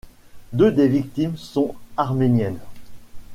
Deux des victimes sont arméniennes.